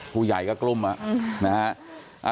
ผู้ใหญ่ก็กลุ้มนะฮะ